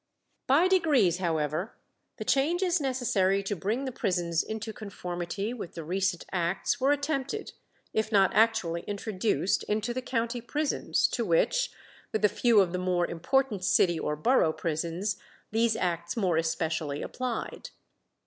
By degrees, however, the changes necessary to bring the prisons into conformity with the recent acts were attempted, if not actually introduced into the county prisons, to which, with a few of the more important city or borough prisons, these acts more especially applied.